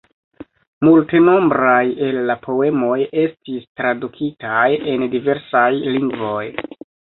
Multenombraj el la poemoj estis tradukitaj en diversaj lingvoj.